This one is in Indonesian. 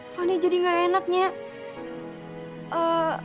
fany jadi gak enaknya